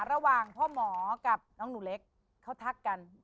ระหว่างพ่อหมอกับน้องหนูเล็กเขาทักกัน